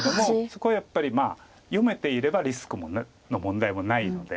そこはやっぱり読めていればリスクの問題もないので。